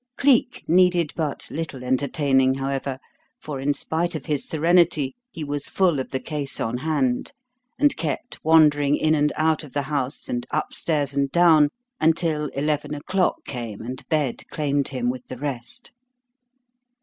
Cleek needed but little entertaining, however, for in spite of his serenity he was full of the case on hand, and kept wandering in and out of the house and upstairs and down until eleven o'clock came and bed claimed him with the rest.